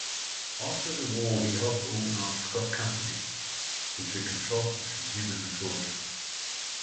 After the War he helped organize Scott Company, which were consultants in human resources.